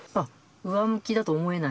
上向きだと思えない？